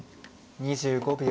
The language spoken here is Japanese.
２５秒。